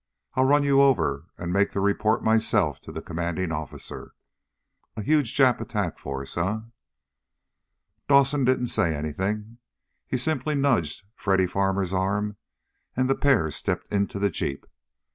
I'll run you over, and make the report myself to the commanding officer. A huge Jap attack force, eh?" Dawson didn't say anything. He simply nudged Freddy Farmer's arm, and the pair stepped into the jeep.